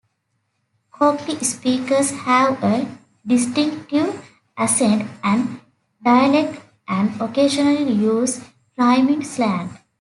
Cockney speakers have a distinctive accent and dialect, and occasionally use rhyming slang.